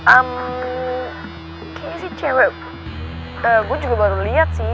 em kayaknya sih cewek gue juga baru liat sih